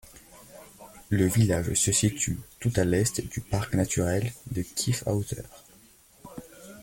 Le village se situe tout à l'est du parc naturel de Kyffhäuser.